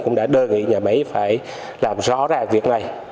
cũng đã đơn nghị nhà máy phải làm rõ ra việc này